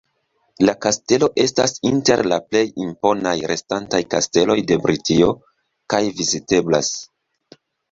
La kastelo estas inter la plej imponaj restantaj kasteloj de Britio, kaj viziteblas.